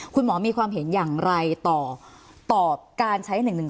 คุณหมอมีความเห็นอย่างไรต่อตอบการใช้๑๑๒